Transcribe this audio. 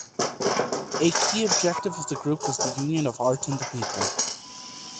A key objective of the group was the union of art and the people.